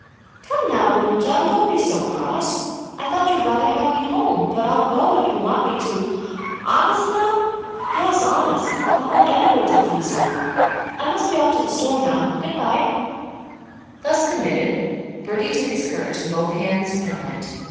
"Come now, William John, don't be so cross. I thought you'd rather have me home, but I'll go, if you want me to." "Honest, now?" "Yes, honest. I'll go anywhere to please you. I must be off to the store now. Goodbye." Thus committed, Bertie took his courage in both hands and went.